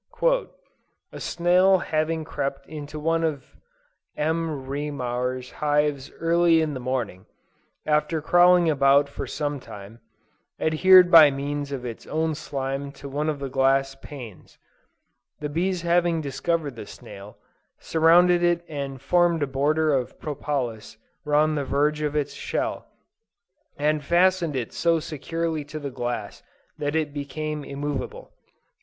"A snail having crept into one of M. Reaumur's hives early in the morning, after crawling about for some time, adhered by means of its own slime to one of the glass panes. The bees having discovered the snail, surrounded it and formed a border of propolis round the verge of its shell, and fastened it so securely to the glass that it became immovable."